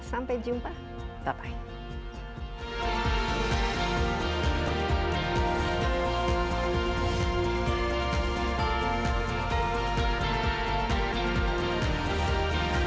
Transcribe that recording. sampai jumpa bye bye